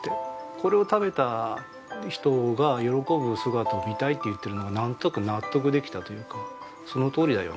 これを食べた人が喜ぶ姿を見たいって言ってるのがなんとなく納得できたというかそのとおりだよねって。